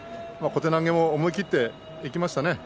小手投げも思い切っていきましたね。